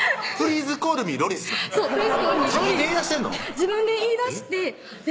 自分で言いだしてんの？